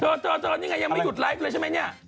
เธอเธอนี่ไงยังไม่หยุดไลฟ์เลยใช่ไหมเนี่ย